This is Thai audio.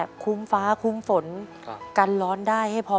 แล้ววันนี้ถ้าเกิดว่าได้ทุนไปต่อชีวิตเล่จะนำเงินไปทำอะไรครับ